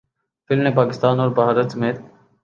film نے پاکستان اور بھارت سمیت